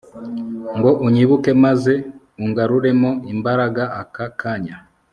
ngo unyibuke maze ungaruremo imbaraga aka kanya